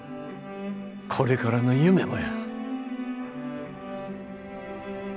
これからの夢もや。